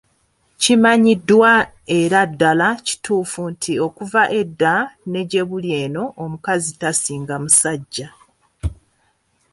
Kimanyiddwa era ddala kituufu nti okuva edda ne gyebuli eno omukazi tasinga musajja.